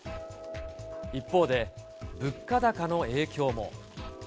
一方で、物価高の影響も。